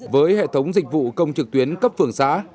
với hệ thống dịch vụ công trực tuyến cấp phường xã